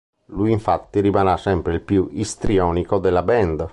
Lui infatti rimarrà sempre il più istrionico della band.